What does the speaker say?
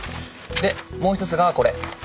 でもう一つがこれ。